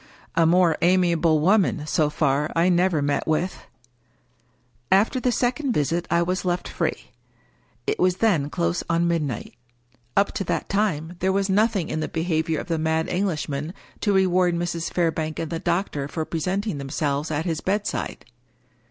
A more amiable woman (so far) I never met with ! After the second visit I was left free. It was then close on midnight. Up to that time there was nothing in the behavior of the mad Englishman to reward Mrs. Fairbank and the doctor for presenting themselves at his bedside.